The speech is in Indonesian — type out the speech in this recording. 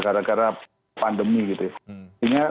karena karena pandemi gitu ya